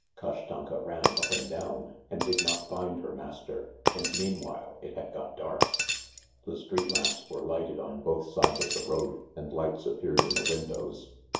Kashtanka ran up and down and did not find her master, and meanwhile it had got dark. The street lamps were lighted on both sides of the road, and lights appeared in the windows.